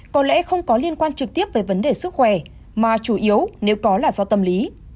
có lẽ không có liên quan trực tiếp về vấn đề sức khỏe mà chủ yếu nếu có là do tâm lý